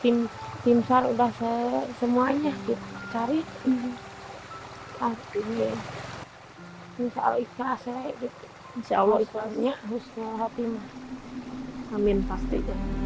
sambil terus melantunkan doa di dalam hati